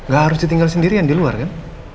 gak harus ditinggal sendirian di luar kan